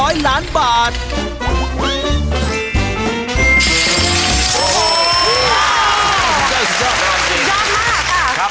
ยากมาก